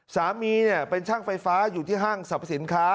สามีเป็นช่างไฟฟ้าอยู่ที่ห้างสรรพสินค้า